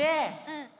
うん。